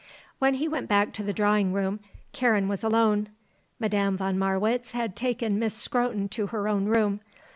When he went back to the drawing room, Karen was alone. Madame von Marwitz had taken Miss Scrotton to her own room.